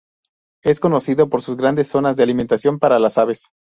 Es conocido por sus grandes zonas de alimentación para las aves.